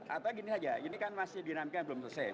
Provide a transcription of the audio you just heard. atau gini saja ini kan masih dinamika belum selesai